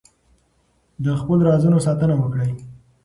د خپلو رازونو ساتنه وکړئ.